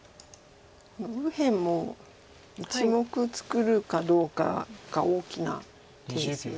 右辺も１目作るかどうかが大きな手ですよね。